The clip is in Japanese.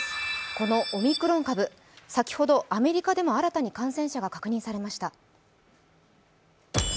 このオミクロン株、先ほどアメリカでも新たに感染者が確認されました。